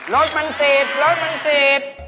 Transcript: รถมันติด